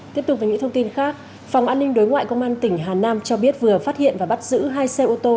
tiếp tục với những thông tin khác phòng an ninh đối ngoại công an tỉnh hà nam cho biết vừa phát hiện và bắt giữ hai xe ô tô